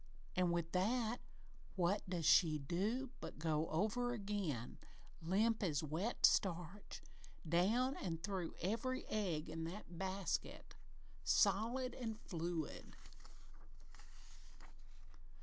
An' with that, what does she do but go over again, limp as wet starch, down an' through every egg in that basket, solid an' fluid!